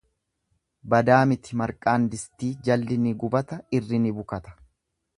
Badaa miti marqaan distii jalli ni gubata irri ni bukata.